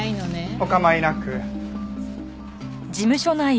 お構いなく。